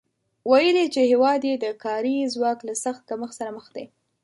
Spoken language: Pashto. ویلي چې هېواد یې د کاري ځواک له سخت کمښت سره مخ دی